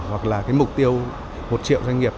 hoặc là mục tiêu một triệu doanh nghiệp